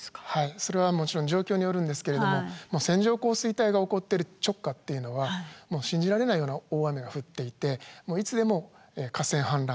それはもちろん状況によるんですけれども線状降水帯が起こってる直下っていうのは信じられないような大雨が降っていていつでも河川氾濫